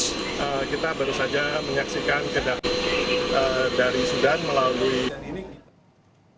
kita baru saja menyaksikan kedatangan dari sudan melalui